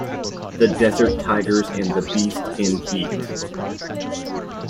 The Desert Tigers" and "The Beast in Heat".